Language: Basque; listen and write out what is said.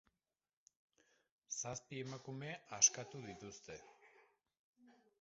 Zazpi emakume askatu dituzte.